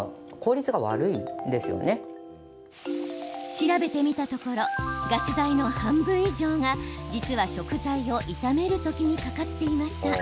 調べてみたところガス代の半分以上が実は食材を炒める時にかかっていました。